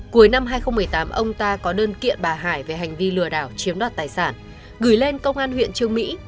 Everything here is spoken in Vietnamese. cuối năm hai nghìn một mươi tám ông ta có đơn kiện bà hải về hành vi lừa đảo chiếm đoạt tài sản gửi lên công an huyện trương mỹ